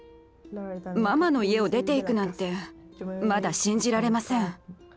ママの家を出て行くなんてまだ信じられません。